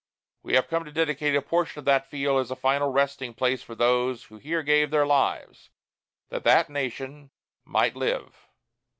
We have come to dedicate a portion of that field as a final resting place for those who here gave their lives that that nation might live.